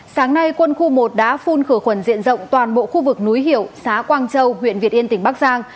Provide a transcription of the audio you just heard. sáng nay quân khu một đã phun khởi khuẩn diện rộng toàn bộ khu vực núi hiểu xá quang châu huyện việt yên tỉnh bắc giang